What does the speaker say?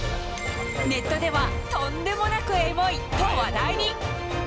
ネットではとんでもなくエモいと話題に。